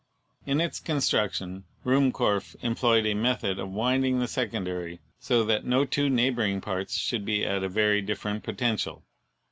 In its con struction Ruhmkorff employed a method of winding the secondary so that no two neighboring parts should be at a very different potential.